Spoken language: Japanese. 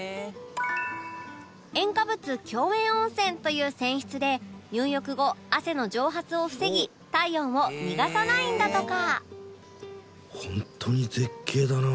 塩化物強塩温泉という泉質で入浴後汗の蒸発を防ぎ体温を逃がさないんだとか